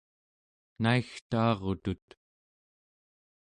naigtaarutut